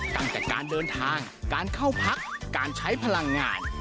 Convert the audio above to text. ตั้งแต่การเดินทางการเข้าพักการใช้พลังงาน